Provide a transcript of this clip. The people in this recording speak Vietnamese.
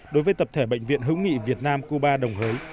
đối với tập thể bệnh viện hữu nghị việt nam cuba đồng hới